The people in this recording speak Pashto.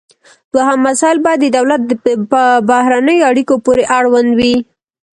دوهم مسایل باید د دولت په بهرنیو اړیکو پورې اړوند وي